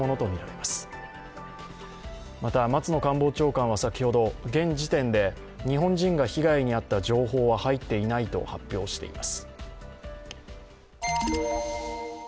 また、松野官房長官は先ほど現時点で日本人が被害に遭った情報は入っていないと発表しています。